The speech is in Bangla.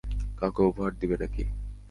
কাউকে উপহার দিবে নাকি?